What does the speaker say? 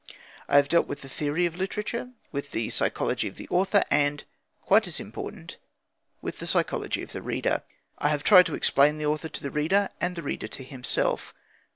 I have dealt with the theory of literature, with the psychology of the author, and quite as important with the psychology of the reader. I have tried to explain the author to the reader and the reader to himself.